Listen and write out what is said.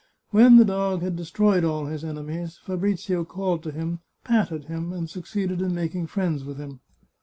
When the dog had destroyed all his enemies, Fabrizio called to him, patted him, and succeeded in making friends with him.